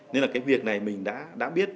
nên là cái việc này mình đã biết